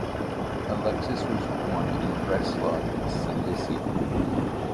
Alexis was born in Breslau, Silesia.